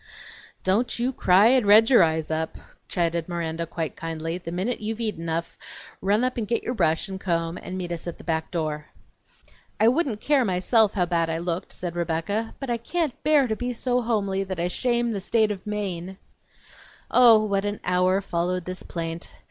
"Don't you cry and red your eyes up," chided Miranda quite kindly; "the minute you've eat enough run up and get your brush and comb and meet us at the back door." "I wouldn't care myself how bad I looked," said Rebecca, "but I can't bear to be so homely that I shame the State of Maine!" Oh, what an hour followed this plaint!